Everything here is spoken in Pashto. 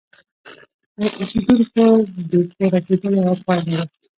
د اوسیدونکو بې کوره کېدل یوه پایله ده.